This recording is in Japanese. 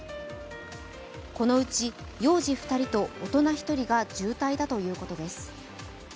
このうち幼児２人と大人１人が重体だということです。